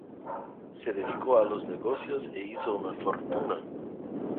Se dedicó a los negocios e hizo una fortuna.